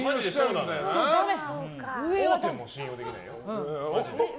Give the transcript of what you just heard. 大手も信用できないよ。